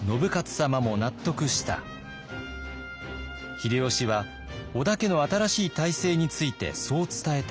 秀吉は織田家の新しい体制についてそう伝えた